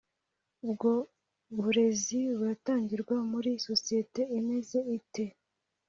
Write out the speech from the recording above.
bwo burezi buratangirwa muri sosiyete imeze ite